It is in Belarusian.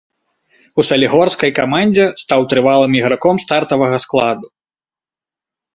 У салігорскай камандзе стаў трывалым іграком стартавага складу.